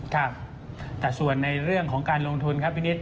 ครับแต่ส่วนในเรื่องของการลงทุนครับพี่นิด